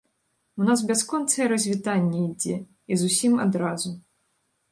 У нас бясконцае развітанне ідзе, і з усім адразу.